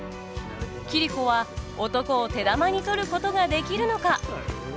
桐子は男を手玉に取ることができるのか？